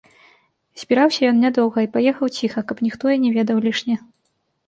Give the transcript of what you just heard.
Збіраўся ён не доўга і паехаў ціха, каб ніхто і не ведаў лішне.